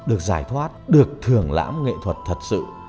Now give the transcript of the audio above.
được giải thoát được thưởng lãm nghệ thuật thật sự